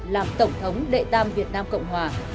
làm tổng thống đệ tam việt nam cộng hòa